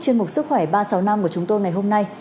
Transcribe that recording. chương mục sức khỏe ba sáu năm của chúng tôi ngày hôm nay